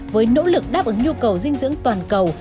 với nỗ lực đáp ứng nhu cầu dinh dưỡng toàn cầu